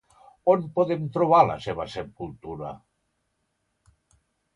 On podem trobar la seva sepultura?